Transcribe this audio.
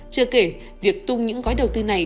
chưa kể việc tung những gói đầu tư này